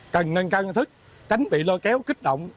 cần nâng cao nhận thức tránh bị lôi kéo kích động